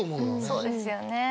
そうですよね。